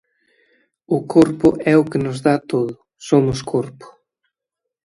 O corpo é o que nos dá todo, somos corpo.